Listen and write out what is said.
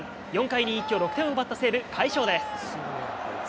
４回に一挙６点を奪った西武、快勝です。